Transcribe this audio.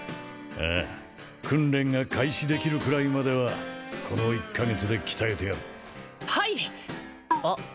ああ訓練が開始できるくらいまではこの１カ月で鍛えてやるはいあ